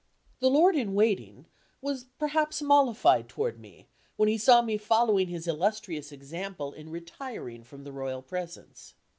The Lord in Waiting was perhaps mollified toward me when he saw me following his illustrious example in retiring from the royal presence.